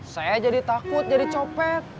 saya jadi takut jadi copet